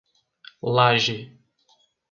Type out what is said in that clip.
Laje